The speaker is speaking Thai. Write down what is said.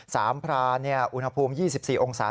พรานอุณหภูมิ๒๔องศา